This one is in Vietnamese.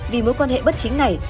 vì mối quan hệ bất chính này